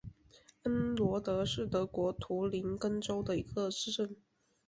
安罗德是德国图林根州的一个市镇。